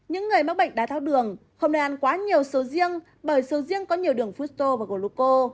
những người mắc bệnh đá thác đường không nên ăn quá nhiều sầu riêng bởi sầu riêng có nhiều đường phút tô và gluco